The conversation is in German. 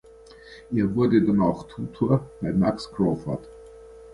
Er wurde danach Tutor bei Max Crawford.